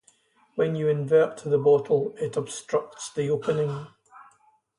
When you invert the bottle, it obstructs the opening.